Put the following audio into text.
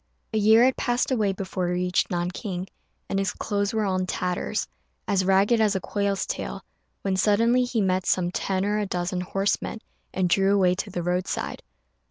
A year had passed away before he reached Nanking, and his clothes were all in tatters as ragged as a quail's tail, when suddenly he met some ten or a dozen horsemen, and drew away to the roadside.